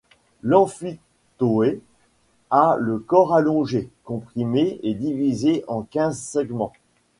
L’amphitoé a le corps allongé, comprimé, et divisé en quinze segments.